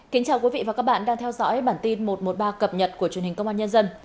kính chào quý vị và các bạn đang theo dõi bản tin một trăm một mươi ba cập nhật của truyền hình công an nhân dân